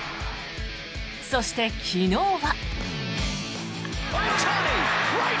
そして、昨日は。